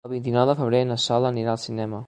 El vint-i-nou de febrer na Sol anirà al cinema.